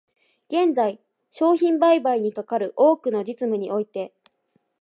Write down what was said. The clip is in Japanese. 現在、商品売買にかかる多くの実務において、